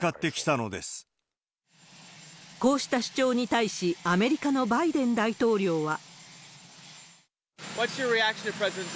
こうした主張に対し、アメリカのバイデン大統領は。